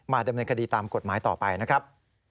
ดำเนินคดีตามกฎหมายต่อไปนะครับ